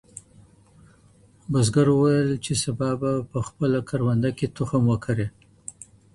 بزګر وویل چي سبا به په خپله کرونده کي تخم وکري.